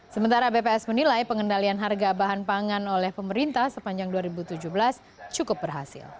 sementara bps menilai pengendalian harga bahan pangan oleh pemerintah sepanjang dua ribu tujuh belas cukup berhasil